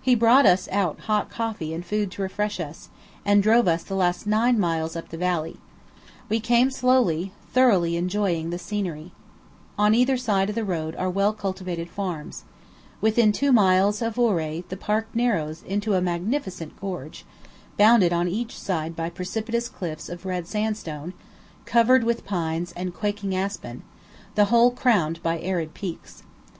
He brought us out hot coffee and food to refresh us, and drove us the last nine miles up the valley. We came slowly, thoroughly enjoying the scenery. On either side of the road are well cultivated farms. Within two miles of Ouray the park narrows into a magnificent gorge, bounded on each side by precipitous cliffs of red sandstone, covered with pines and quaking aspen, the whole crowned by arid peaks.